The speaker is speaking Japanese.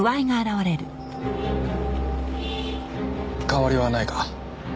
変わりはないか？